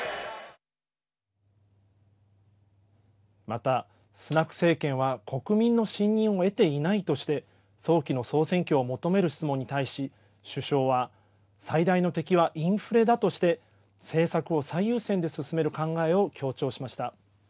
また、スナク政権は国民の信任を得ていないとして早期の総選挙を求める質問に対し首相は最大の敵はインフレだとして政策を最優先で進める考えを強調しました。